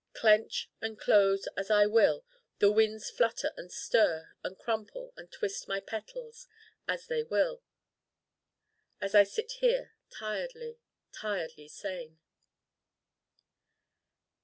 Clench and close as I will the winds flutter and stir and crumple and twist my petals as they will: as I sit here tiredly, tiredly sane.